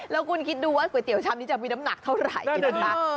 แล้วคุณคิดดูว่าก๋วยเตี๋ชามนี้จะมีน้ำหนักเท่าไหร่นะคะ